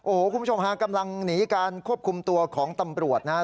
โอ้โหคุณผู้ชมฮะกำลังหนีการควบคุมตัวของตำรวจนะฮะ